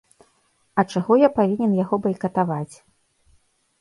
А чаго я павінен яго байкатаваць?!